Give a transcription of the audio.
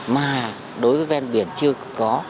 mà đối với ven biển chưa có